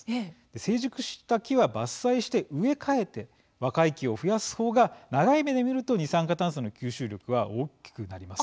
成熟した木は伐採して植え替えて若い木を増やす方が長い目で見ると二酸化炭素の吸収力は大きくなります。